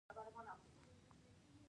چې افغانان څه کولی شي.